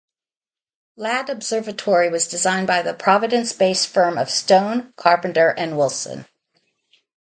Ladd Observatory was designed by the Providence-based firm of Stone, Carpenter and Willson.